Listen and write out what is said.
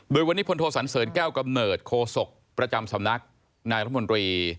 โดยวันนี้พลโทสันเสริญแก้วกำเนิดโคศกประจำสำนักนายรัฐมนตรี